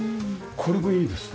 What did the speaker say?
これもいいですね。